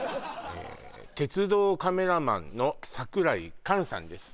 鉄道カメラマンの櫻井寛さんです